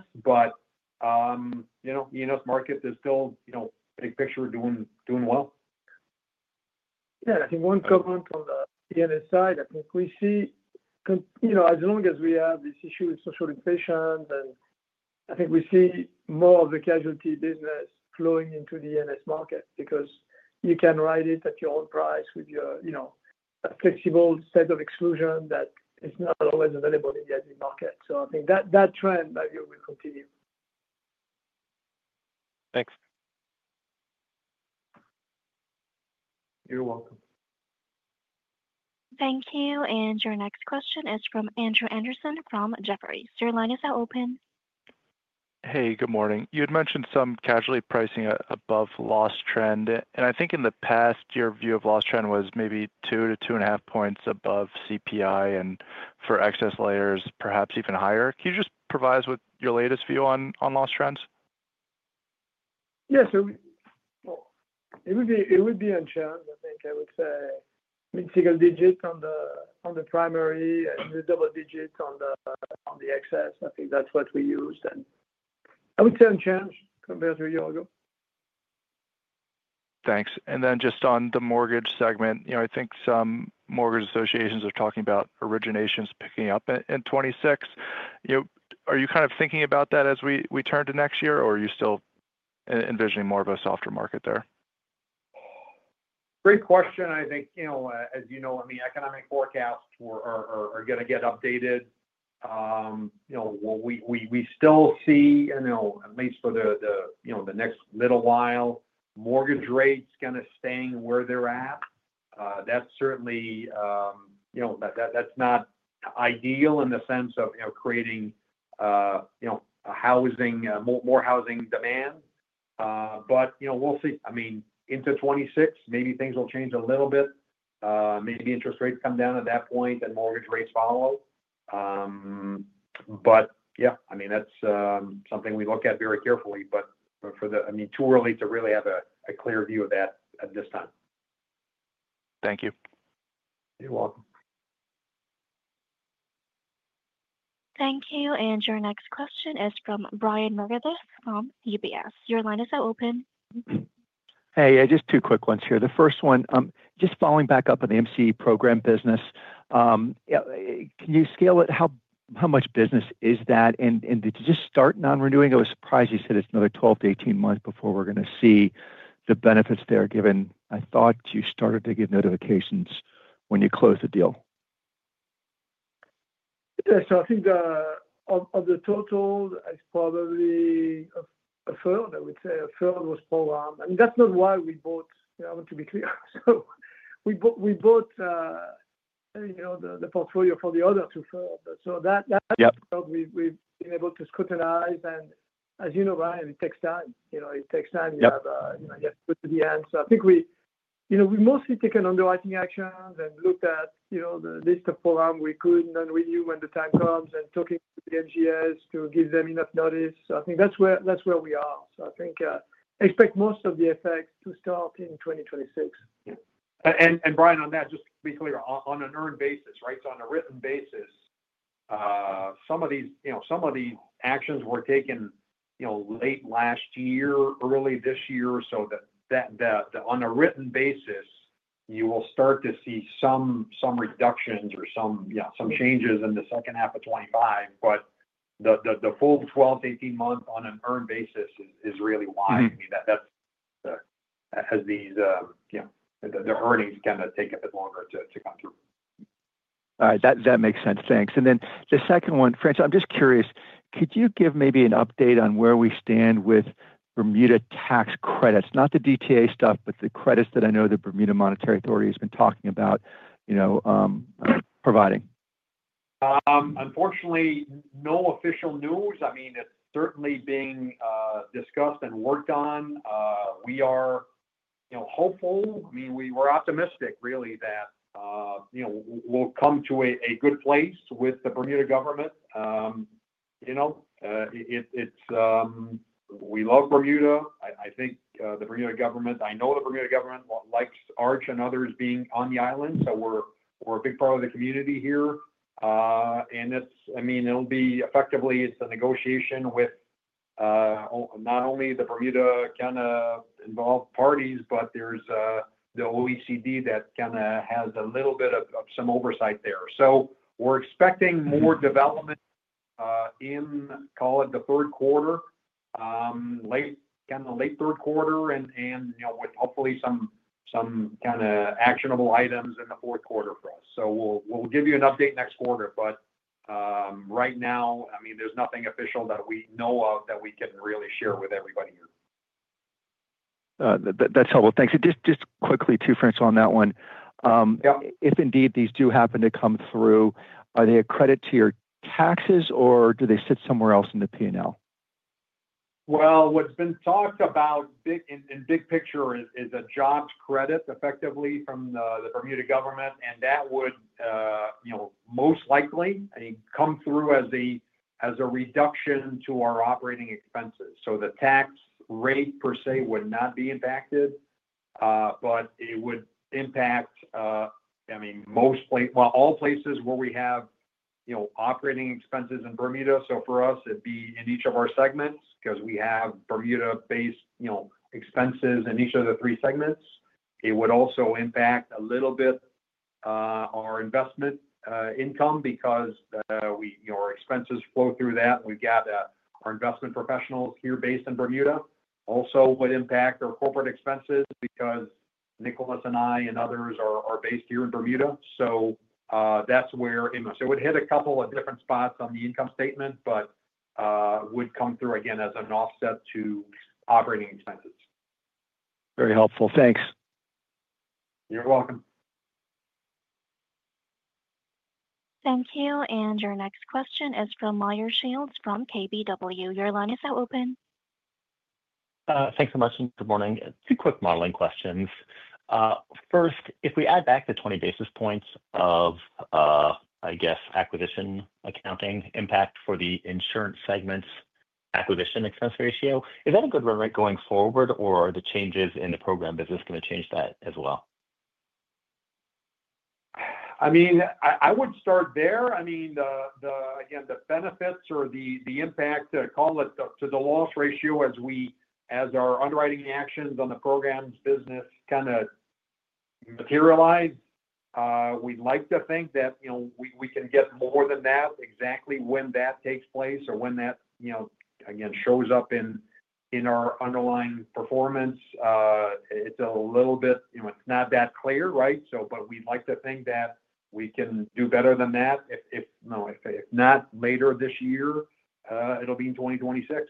You know, E&S market is still, you know, big picture doing well. Yeah, I think one comment on the E&S side, I think we see, you know, as long as we have this issue with social inflation, then I think we see more of the casualty business flowing into the E&S market because you can write it at your own price with your, you know, a flexible set of exclusions that is not always available in the equity market. I think that that trend will continue. Thanks. You're welcome. Thank you. Your next question is from Andrew Andersen from Jefferies. Your line is now open. Hey, good morning. You had mentioned some casualty pricing above loss trend and I think in the past your view of loss trend was maybe two to two and a half points above CPI and for excess layers perhaps even higher. Can you just provide us with your latest view on loss trends? Yes, it would be unchanged. I think I would say mid single digit on the primary, double digit on the excess. I think that's what we used and I would say unchanged compared to a year ago. Thanks. And then just on the mortgage segment, I think some mortgage associations are talking about originations picking up in 2026. You know, are you kind of thinking. About that as we turn to next. Year or are you still envisioning more of a softer market there? Great question. I think, you know, as you know, I mean economic forecasts are going to get updated. You know, we still see, you know, at least for the, you know, the next little while, mortgage rates kind of staying where they're at. That's certainly, you know, that's not ideal in the sense of, you know, creating, you know, housing, more housing demand. You know, we'll see. I mean into 2026, maybe things will change a little bit. Maybe interest rates come down at that point and mortgage rates follow. Yeah, I mean that's something we look at very carefully. For the, I mean too early to really have a clear view of. That at this time. Thank you. You're welcome. Thank you. Your next question is from Brian Meredith from UBS. Your line is now open. Hey, just two quick ones here. The first one, just following back up on the MC program business. Can you scale it? How much business is that? Did you just start non renewing? I was surprised you said it's another 12 to 18 months before we're going to see the benefits there given I thought you started to get notifications when you close the deal. Yeah, so I think of the total it's probably a third. I would say a third was program and that's not why we bought, to be clear. We bought, we bought the portfolio for the other two firms so that we've been able to scrutinize. And as you know, Ryan, it takes time. It takes time, you have to put to the end. I think we've mostly taken underwriting actions and looked at the list of firms we could and we knew when the time comes and talking to the MGs to give them enough notice, I think that's where we are. I think expect most of the effects to start in 2026 And Brian. On that, just be clear on an earned basis. Right. On a written basis, some of these, you know, some of these actions were taken, you know, late last year, early this year. On a written basis, you will start to see some reductions or some, you know, some changes in the second half of 2025. The full 12-18 month on an earned basis is really why that's as these, you know, the earnings kind of take a bit longer to come through. All right, that makes sense. Thanks. The second one, François, I'm just curious, could you give maybe an update on where we stand with Bermuda tax credits? Not the DTA stuff, but the credits that I know the Bermuda Monetary Authority has been talking about, you know, providing. Unfortunately, no official news. I mean, it's certainly being discussed and worked on. We are, you know, hopeful. I mean, we were optimistic really that, you know, we'll come to a good place with the Bermuda government. You know, we love Bermuda. I think the Bermuda government, I know the Bermuda government likes Arch and others being on the island. We are a big part of the community here. It will be effectively, it's a negotiation with not only the Bermuda kind of involved parties, but there's the OECD that kind of has a little bit of some oversight there. We are expecting more development in, call it, the third quarter, kind of late third quarter, and with hopefully some, some kind of actionable items in the fourth quarter for us. We will give you an update next quarter. Right now, I mean, there's nothing official that we know of that we can really share with everybody here. That's helpful. Thanks. Just quickly too, François, on that one, if indeed these do happen to come through, are they a credit to your taxes or do they sit somewhere else in the P&L? What's been talked about in big picture is a jobs credit effectively from the Bermuda government and that would, you know, most likely come through as a reduction to our operating expenses. The tax rate per se would not be impacted, but it would impact, I mean, most, well, all places where we have, you know, operating expenses in Bermuda. For us, it would be in each of our segments because we have Bermuda-based expenses in each of the three segments. It would also impact a little bit our investment income because we, your expenses flow through that. We've got our investment professionals here based in Bermuda. Also would impact our corporate expenses because Nicolas and I and others are based here in Bermuda. That's where it would hit a couple of different spots on the income statement, but would come through again as an offset to operating expenses. Very helpful. Thanks. You're welcome. Thank you. Your next question is from Meyer Shields from KBW. Your line is now open. Thanks so much and good morning. Two quick modeling questions. First, if we add back the 20 basis points of, I guess, acquisition accounting impact for the insurance segments acquisition expense ratio, is that a good run rate going forward or are the changes in the program business going to change that as well? I mean I would start there. I mean, again, the benefits or the impact, call it to the loss ratio as we, as our underwriting actions on the program's business kind of materialized. We'd like to think that, you know, we can get more than that. Exactly when that takes place or when that, you know, again shows up in our underlying performance, it's a little bit, you know, it's not that clear. Right. So we'd like to think that we can do better than that. If not later this year, it'll be in 2026.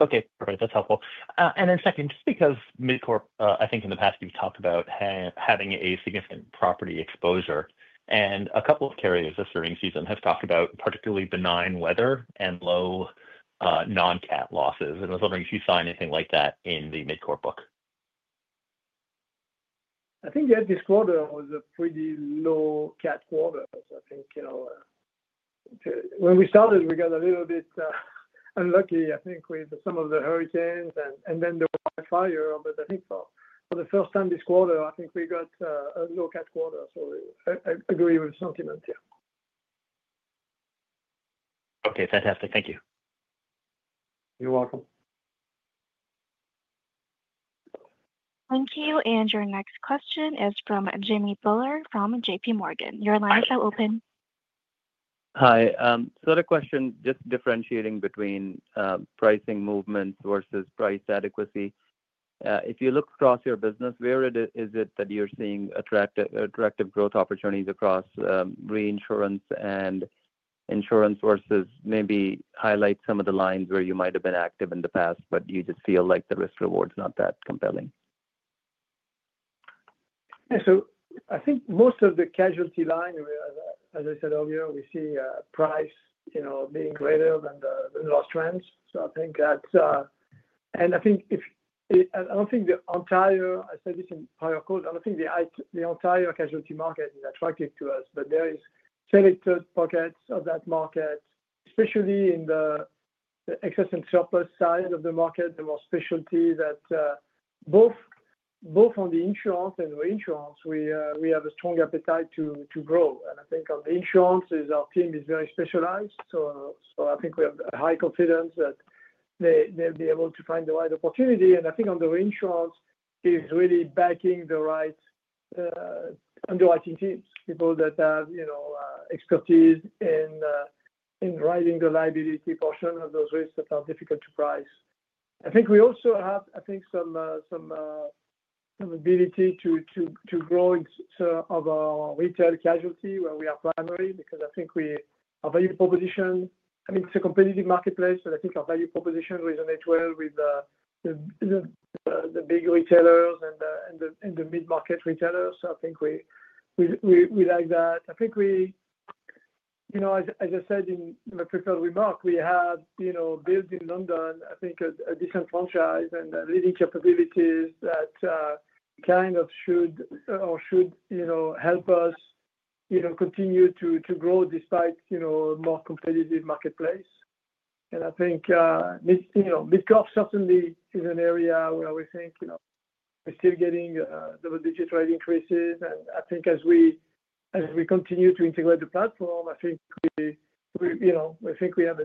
Okay, great, that's helpful. And then second, just because Mid Corp, I think in the past you've talked about having a significant property exposure and a couple of carriers this earnings season have talked about particularly benign weather and low non cat losses. I was wondering if you saw anything like that in the Mid Corp book. I think that this quarter was a pretty low cat quarter. I think, you know, when we started we got a little bit unlucky I think with some of the hurricanes and then the fire. I think for the first time this quarter, I think we got a look at quarter. I agree with sentiment here. Okay, fantastic. Thank you. You're welcome. Thank you. Your next question is from Jimmy Bhullar from JPMorgan. Your lines are open. Hi. The question just differentiating between pricing. Movements versus price adequacy, if you look. Across your business, where is it that you're seeing attractive growth opportunities across reinsurance and insurance versus maybe highlight some of. The lines where you might have been. Active in the past but you just feel like the risk reward is not that compelling. I think most of the casualty line, as I said earlier, we see price being greater than the loss trends. I don't think the entire, I said this in prior call, I don't think the entire casualty market is attractive to us. There are selected pockets of that market, especially in the excess and surplus side of the market. The more specialty that both on the insurance and reinsurance we have a strong appetite to grow. I think on the insurance our team is very specialized. I think we have high confidence that they'll be able to find the right opportunity. I think on the reinsurance it is really backing the right underwriting teams, people that have expertise in writing the liability portion of those risks that are difficult to price. I think we also have some ability to grow our retail casualty where we are primary because I think our value proposition, I mean it's a competitive marketplace, but I think our value proposition resonates well with the big retailers and the mid market retailers. I think we like that. As I said in my prepared remark, we have, you know, built in London, I think, a decent franchise and leading capabilities that should, you know, help us continue to grow despite a more competitive marketplace. I think Mid Corp certainly is an area where we think we're still getting double digit rate increases and as we continue to integrate the platform I think we have,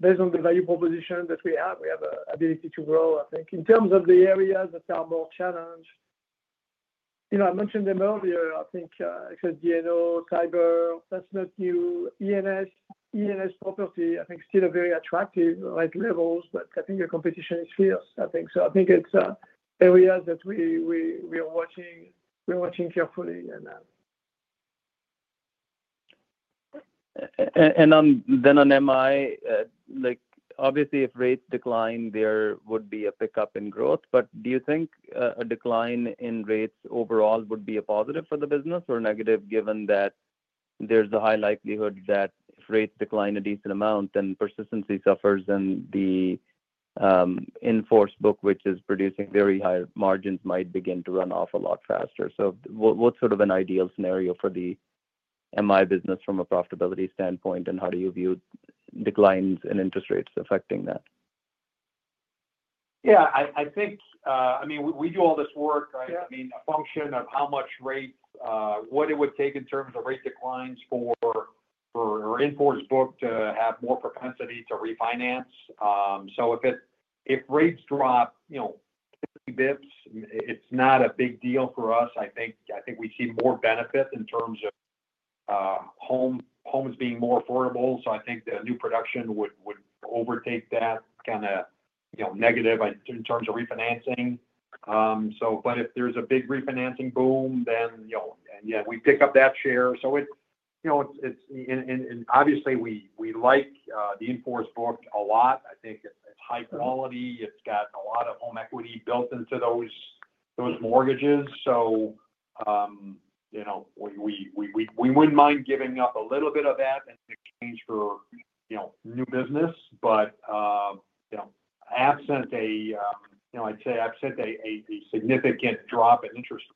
based on the value proposition that we have, an ability to grow. In terms of the areas that are more challenged, I mentioned them earlier. Cyber, that's not new. E&S property I think still a very attractive rate levels but the competition is fierce. It's areas that we are watching carefully And then on MI, like obviously if rates decline there would be a pickup in growth but do you think a decline. In rates overall would be a positive. For the business or negative? Given that there's a high likelihood that if rates decline a decent amount then persistency suffers and the in force book which is producing very high margins might begin to run off a lot faster. What's sort of an ideal. Scenario for the MI business from a profitability standpoint and how do you view declines in interest rates affecting that? Yeah, I think, I mean we do all this work, I mean a function of how much rate, what it would take in terms of rate declines for in force book to have more propensity to refinance. If rates drop, you know, basis points, it's not a big deal for us. I think we see more benefit in terms of homes being more affordable. I think the new production would overtake that kind of, you know, negative in terms of refinancing. If there's a big refinancing boom then, you know, yeah, we pick up that share. It's obviously, we like the in force book a lot. I think it's high quality, it's got a lot of home equity built into those mortgages. You know, we wouldn't mind giving up a little bit of that in exchange for, you know, new business. You know, absent a, I'd say absent a significant drop in interest,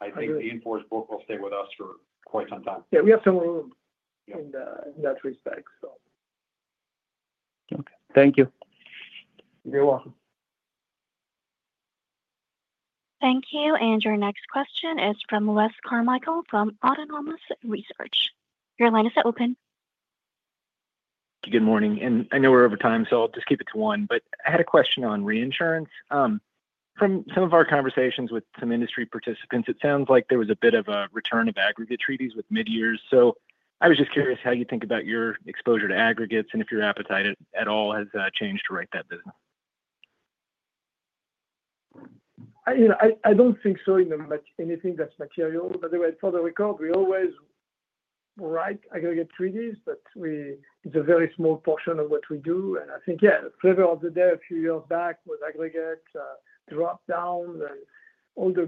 I think the in force book will stay with us for quite some time. Yeah, we have some room in that respect. Okay. Thank you. You're welcome. Thank you. Your next question is from Wes Carmichael from Autonomous Research. Your line is open. Good morning. I know we're over time so I'll just keep it to one, but I had a question on reinsurance. From some of our conversations with some industry participants, it sounds like there was a bit of a return of aggregate treaties. I was just curious how you think about your exposure to aggregates and if your appetite at all has changed to write that business. You know, I don't think so. In anything that's material. By the way, for the record, we always write aggregate treaties, but we, it's a very small portion of what we do and I think yeah, flavor of the day a few years back with aggregate drop down, all the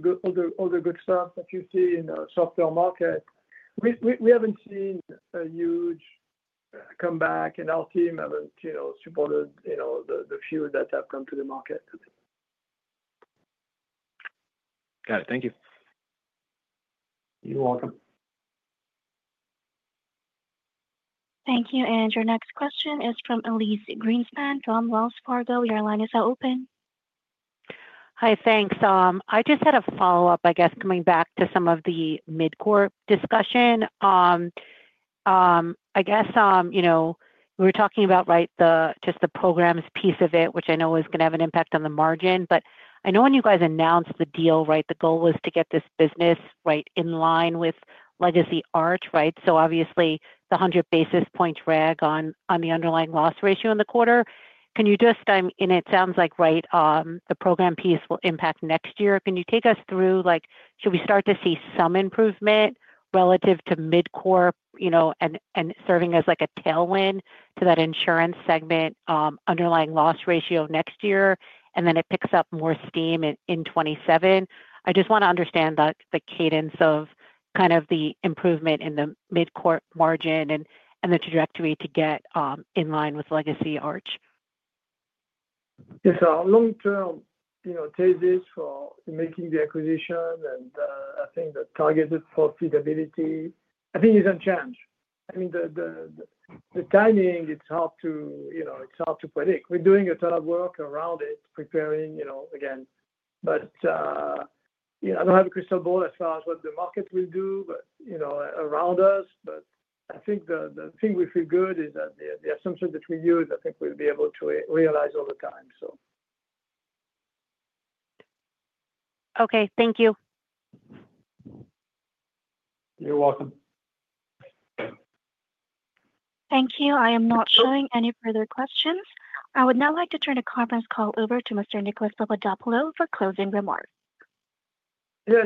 good stuff that you see in software market, we haven't seen a huge comeback and our team haven't, you know, supported, you know, the few that have come to the market. Got it. Thank you. You're welcome. Thank you. Your next question is from Elyse Greenspan from Wells Fargo Securities. Your line is now open. Hi. Thanks. I just had a follow-up, I guess coming back to some of the Mid Corp discussion. I guess, you know, we were talking about, right, just the programs piece of it, which I know is going to have an impact on the margin, but I know when you guys announced the deal, right, the goal was to get this business right in line with legacy Arch, right. Obviously, the 100 basis point drag on the underlying loss ratio in the quarter. Can you just—and it sounds like, right, the program piece will impact next year. Can you take us through, like, should we start to see some improvement relative to Mid Corp, you know, and serving as like a tailwind to that insurance segment underlying loss ratio next year, and then it picks up more steam in 2027. I just want to understand the cadence of kind of the improvement in the Mid Corp margin and the trajectory to get in line with legacy Arch. Yes. Our long term, you know, thesis for making the acquisition and I think the targeted profitability I think is unchanged. I mean the timing, it's hard to, you know, it's hard to predict. We're doing a ton of work around it preparing, you know, again but I don't have a crystal ball as far as what the market will do, you know, around us. I think the thing we feel good is that the assumptions that we use, I think we'll be able to realize all the time. Okay. Thank you. You're welcome. Thank you. I am not showing any further questions. I would now like to turn the conference call over to Mr. Nicolas Papadopoulo for closing remarks. Yeah.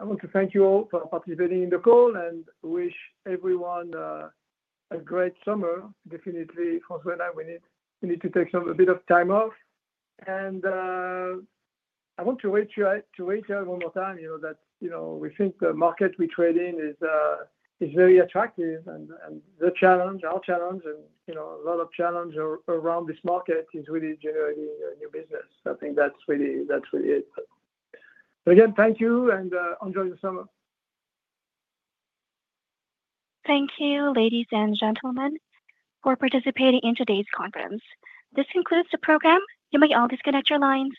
I want to thank you all for participating in the call and wish everyone a great summer. Definitely, we need to take some time off. I want to reiterate one more time, you know, we think the market we trade in is very attractive. The challenge, our challenge and a lot of the challenge around this market, is really generating new business. I think that's really it. Again, thank you and enjoy the summer. Thank you, ladies and gentlemen, for participating in today's conference. This concludes the program. You may all disconnect your lines.